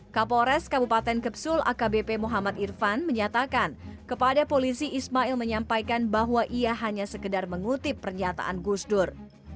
kapolres kabupaten kepsul akbp muhammad irfan menyatakan kepada polisi ismail menyampaikan bahwa ia hanya sekedar mengutip pernyataan gusdur